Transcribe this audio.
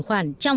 khoản ngân hàng